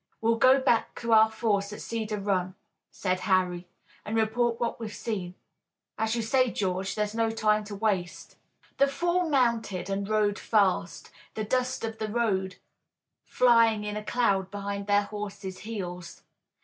"We'll go back to our force at Cedar Run," said Harry, "and report what we've seen. As you say, George, there's no time to waste." The four mounted and rode fast, the dust of the road flying in a cloud behind their horses' heels.